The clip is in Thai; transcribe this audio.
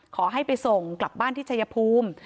ขอให้ไปส่งกลับบ้านที่ชายภูมิ